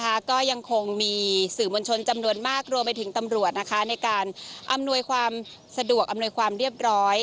ก็ยังคงมีสื่อมวลชนจำนวนมากรวมไปถึงตำรวจนะคะในการอำนวยความสะดวกอำนวยความเรียบร้อย